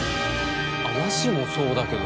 和紙もそうだけど。